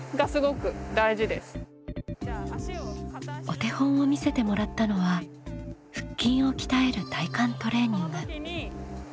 お手本を見せてもらったのは腹筋を鍛える体幹トレーニング。